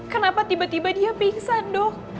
kenapa tiba tiba dia pingsan dok